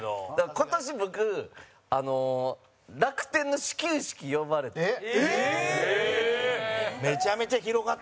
今年、僕楽天の始球式、呼ばれて。